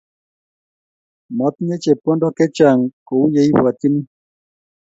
Motinye chepkondokc chechang kouye ibwatyini